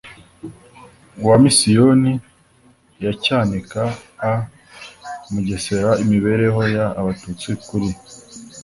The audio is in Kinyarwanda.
wa misiyoni ya cyanika a mugesera imibereho y abatutsi kuri